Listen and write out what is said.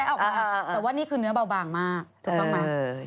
แต่ว่านี่คือเนื้อเบาบางมากถูกต้องมั้ย